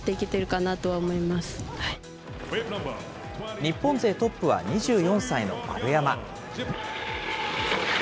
日本勢トップは２４歳の丸山。